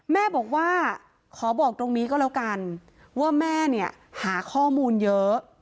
แม่บอกว่าขอบอกตรงนี้ก็แล้วกันว่าแม่เนี่ยหาข้อมูลเยอะ